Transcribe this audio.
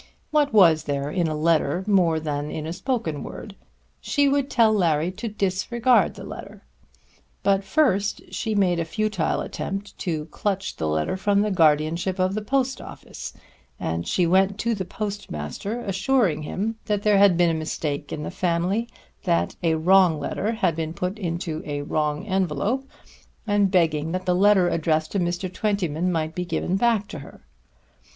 What was there in a letter more than in a spoken word? She would tell Larry to disregard the letter. But first she made a futile attempt to clutch the letter from the guardianship of the Post Office, and she went to the Postmaster assuring him that there had been a mistake in the family, that a wrong letter had been put into a wrong envelope, and begging that the letter addressed to Mr. Twentyman might be given back to her.